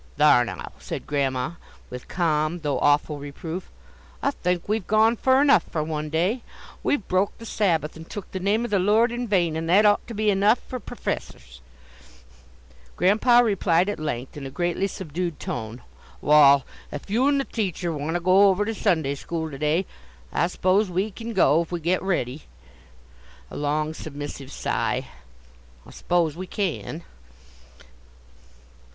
"Thar' now," said Grandma, with calm though awful reproof; "I think we've gone fur enough for one day; we've broke the Sabbath, and took the name of the Lord in vain, and that ought to be enough for perfessors." Grandpa replied at length in a greatly subdued tone: "Wall, if you and the teacher want to go over to Sunday school to day, I suppose we can go if we get ready," a long submissive sigh "I suppose we can."